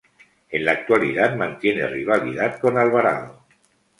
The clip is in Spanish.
En la actualidad mantiene rivalidad con Alvarado.